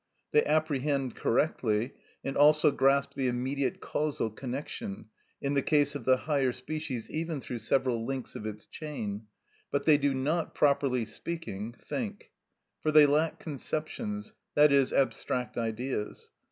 They apprehend correctly, and also grasp the immediate causal connection, in the case of the higher species even through several links of its chain, but they do not, properly speaking, think. For they lack conceptions, that is, abstract ideas.